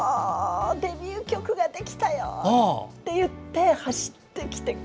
デビュー曲ができたよ！って言って走ってきて。